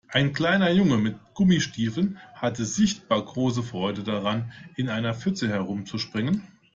Ein kleiner Junge mit Gummistiefeln hatte sichtbar große Freude daran, in einer Pfütze herumzuspringen.